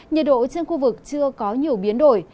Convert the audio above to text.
nhiệt độ trên khu vực chưa có nhiều biến đổi